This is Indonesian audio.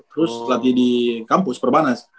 terus latih di kampus perbanas